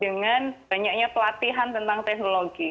dengan banyaknya pelatihan tentang teknologi